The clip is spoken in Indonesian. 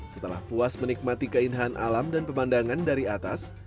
setelah puas menikmati keindahan alam dan pemandangan dari atas